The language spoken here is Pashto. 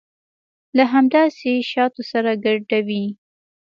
له همداسې شاتو سره ګډوي.